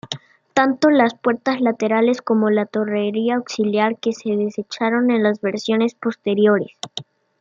Tanto las puertas laterales como la torreta auxiliar se desecharon en las versiones posteriores.